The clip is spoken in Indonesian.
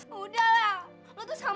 sekarang lo pergi tadam